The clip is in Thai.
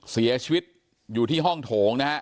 เสียชีวิตอยู่ที่ห้องโถงนะฮะ